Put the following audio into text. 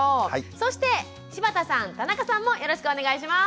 そして柴田さん田中さんもよろしくお願いします。